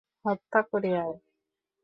হত্যা করে আয়!